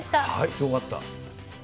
すごかった。